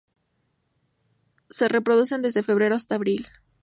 Se reproducen desde febrero hasta abril.